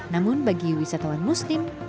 namun bagi wisatawan muslim